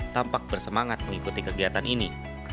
tampak bersemangat mengikuti kegiatan ini